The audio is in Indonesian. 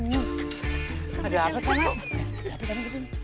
ada apa tuhan